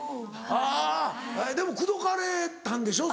あぁでも口説かれたんでしょ。